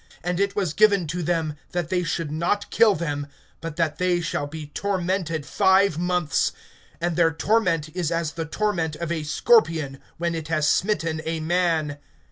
(5)And it was given to them, that they should not kill them, but that they shall be tormented five months. And their torment is as the torment of a scorpion, when it has smitten a man.